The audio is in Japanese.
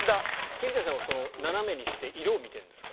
桐谷さんは斜めにして色を見てるんですか？